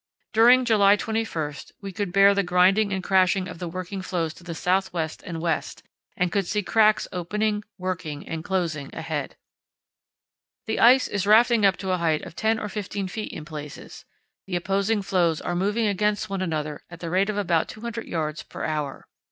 During July 21 we could bear the grinding and crashing of the working floes to the south west and west and could see cracks opening, working, and closing ahead. "The ice is rafting up to a height of 10 or 15 ft. in places, the opposing floes are moving against one another at the rate of about 200 yds. per hour.